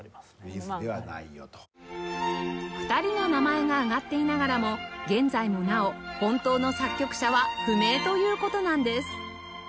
２人の名前が挙がっていながらも現在もなお本当の作曲者は不明という事なんです